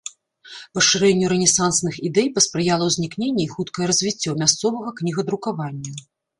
Пашырэнню рэнесансных ідэй паспрыяла ўзнікненне і хуткае развіццё мясцовага кнігадрукавання.